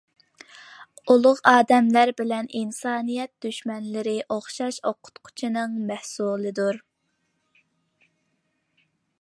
ئۇلۇغ ئادەملەر بىلەن ئىنسانىيەت دۈشمەنلىرى ئوخشاشلا ئوقۇتقۇچىنىڭ مەھسۇلىدۇر.